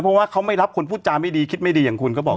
เพราะว่าเขาไม่รับคนพูดจาไม่ดีคิดไม่ดีอย่างคุณเขาบอก